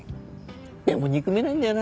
でも憎めないんだよな。